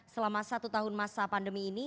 selama satu tahun masa pandemi ini